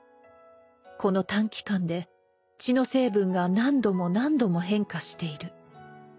「この短期間で血の成分が何度も何度も変化している」